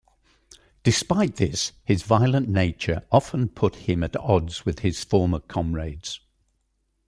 Despite this, his violent nature often put him at odds with his former comrades.